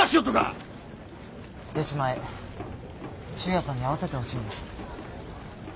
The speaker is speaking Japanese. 忠弥さんに会わせてほしいんです。